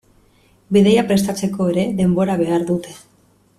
Bidaia prestatzeko ere denbora behar dute.